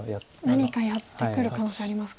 何かやってくる可能性ありますか。